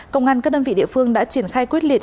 công an các đơn vị địa phương đã triển khai quyết liệt